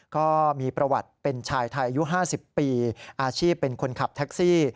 ก็มีประวัติเป็นชายไทยอายุ๕๐ปีอาชีพเป็นคนขับแท็กซี่